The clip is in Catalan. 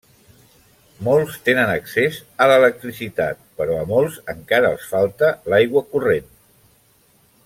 Molts tenen accés a l’electricitat, però a molts encara els falta l'aigua corrent.